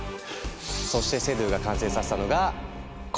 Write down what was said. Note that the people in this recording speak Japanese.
そしてセドゥが完成させたのがこのドローン。